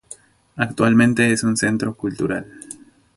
Actualmente es un centro cultural.